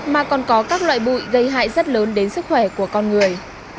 mà còn có các loại bụi gây hại rất lớn đến sức khỏe của con người